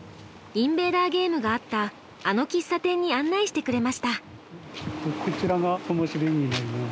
インベーダーゲームがあったあの喫茶店に案内してくれました。